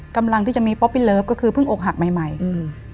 กำลังที่จะมีป๊อปปี้เลิฟก็คือเพิ่งอกหักใหม่ใหม่อืม